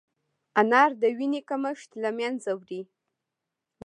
انار د وینې کمښت له منځه وړي.